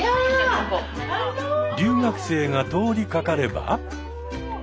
留学生が通りかかれば。